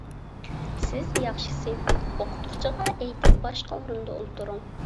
سىز ياخشىسى ئوقۇتقۇچىغا ئېيتىپ باشقا ئورۇندا ئولتۇرۇڭ.